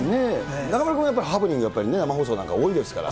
中丸君はやっぱり、ハプニングはね、やっぱりね、生放送なんか多いですから。